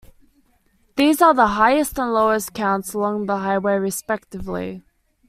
These are the highest and lowest counts along the highway, respectively.